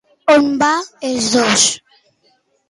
On van els dos?